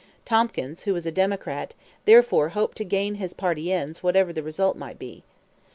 Tompkins, who was a Democrat, therefore hoped to gain his party ends whatever the result might be.